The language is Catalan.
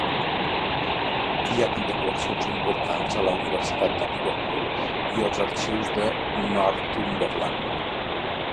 Hi ha també col·leccions importants a la Universitat de Liverpool, i als arxius de Northumberland.